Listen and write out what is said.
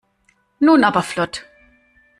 Nun aber flott!